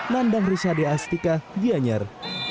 nandang rishadeh astika gianyar